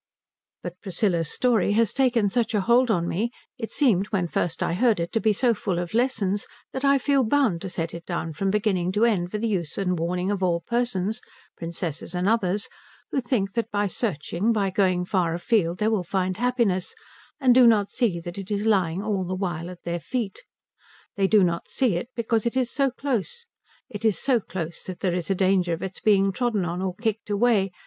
But Priscilla's story has taken such a hold on me, it seemed when first I heard it to be so full of lessons, that I feel bound to set it down from beginning to end for the use and warning of all persons, princesses and others, who think that by searching, by going far afield, they will find happiness, and do not see that it is lying all the while at their feet. They do not see it because it is so close. It is so close that there is a danger of its being trodden on or kicked away.